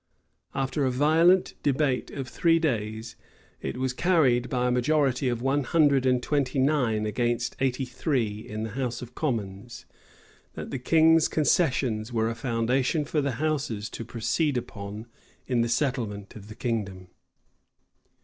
After a violent debate of three days, it was carried, by a majority of one hundred and twenty nine against eighty three, in the house of commons, that the king's concessions were a foundation for the houses to proceed upon in the settlement of the kingdom.